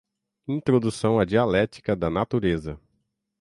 Introdução à "Dialéctica da Natureza"